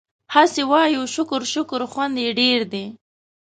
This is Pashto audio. هسې وايو شکر شکر خوند يې ډېر دی